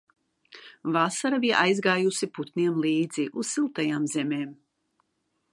Vasara bija aizgājusi putniem līdzi uz siltajām zemēm.